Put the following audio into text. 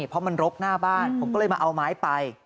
เพราะมันรกหน้าบ้านผมก็เลยมาเอาไม้ไป